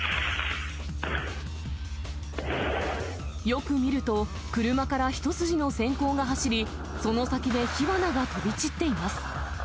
よく見ると、車から一筋のせん光が走り、その先で火花が飛び散っています。